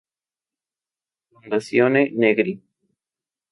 Fondazione Negri.